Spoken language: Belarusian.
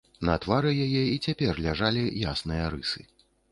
На твары яе і цяпер ляжалі ясныя рысы.